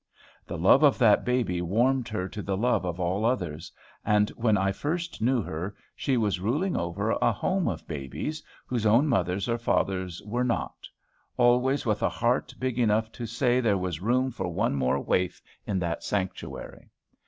The love of that baby warmed her to the love of all others; and, when I first knew her, she was ruling over a home of babies, whose own mothers or fathers were not, always with a heart big enough to say there was room for one more waif in that sanctuary.